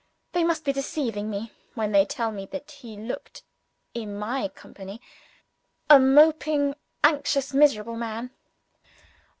They must be deceiving me when they tell me that he looked, in my company, a moping, anxious, miserable man.